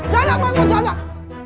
jalak mana jalak